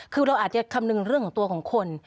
คือเราอาจจะคำนึงเรื่องของตัวของคน